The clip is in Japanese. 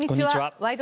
「ワイド！